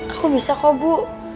aku bisa kok ibu